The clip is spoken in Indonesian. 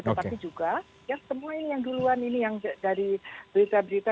tetapi juga ya semua ini yang duluan ini yang dari berita berita